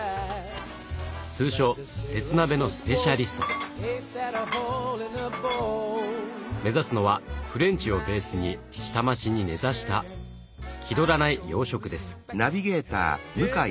通称目指すのはフレンチをベースに下町に根ざした気取らない洋食です。